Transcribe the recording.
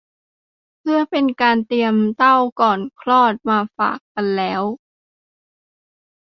เพื่อเป็นการเตรียมเต้าก่อนคลอดมาฝากกันแล้ว